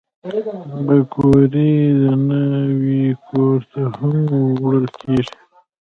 پکورې د ناوې کور ته هم وړل کېږي